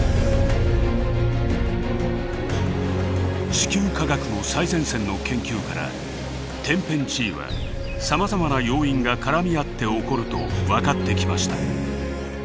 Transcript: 地球科学の最前線の研究から天変地異はさまざまな要因が絡み合って起こると分かってきました。